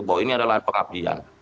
bahwa ini adalah pengabdian